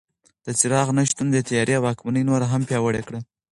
د څراغ نه شتون د تیارې واکمني نوره هم پیاوړې کړه.